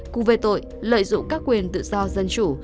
cùng về tội lợi dụng các quyền tự do dân chủ